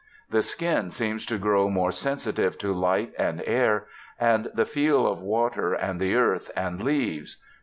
The skin seems to grow more sensitive to light and air, and the feel of water and the earth and leaves.